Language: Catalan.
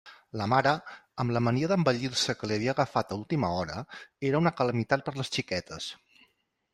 La mare, amb la mania d'embellir-se que li havia agafat a última hora, era una calamitat per a les xiquetes.